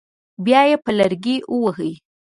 بیا یې په لرګي وهي.